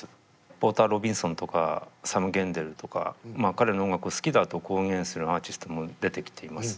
ポーター・ロビンソンとかサム・ゲンデルとか彼の音楽を好きだと公言するアーティストも出てきています。